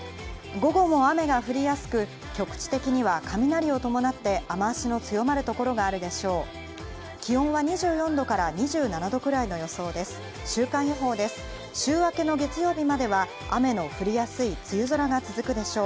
午後も雨が降りやすく局地的には雷を伴って雨脚の強まる所があるでしょう。